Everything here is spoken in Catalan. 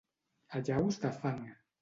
Allaus de fang.